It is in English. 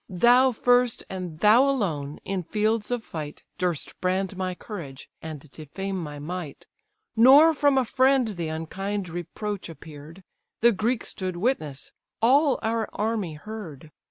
Thou first, and thou alone, in fields of fight, Durst brand my courage, and defame my might: Nor from a friend the unkind reproach appear'd, The Greeks stood witness, all our army heard.